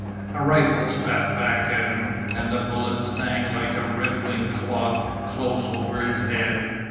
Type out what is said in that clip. A rifle spat back at him and the bullet sang like a ripping cloth close over his head.